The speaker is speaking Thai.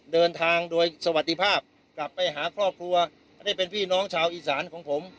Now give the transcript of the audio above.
เดินทางโดยสวัสดีภาพกลับไปหาครอบครัวไม่ได้เป็นพี่น้องชาวอีสานของผม